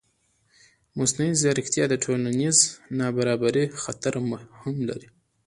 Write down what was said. مصنوعي ځیرکتیا د ټولنیز نابرابرۍ خطر هم لري.